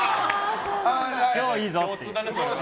今日、いいぞって。